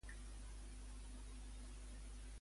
Troba què es pot fer al centre de dia de Sabadell.